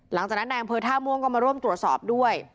หลังจากนั้นในอำเภอท่าม่วงก็มาร่วมตรวจสอบด้วย